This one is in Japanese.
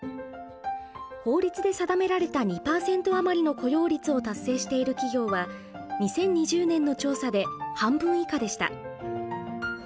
法律で定められた２％余りの雇用率を達成している企業は２０２０年の調査で半分以下でした。